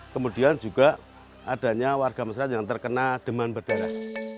kemudian juga adanya warga masyarakat yang terkena demam berdarah